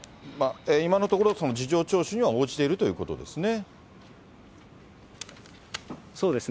今のところ、その事情聴取には応じているということですね。